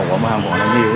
còn mà hàng quận nó nhiều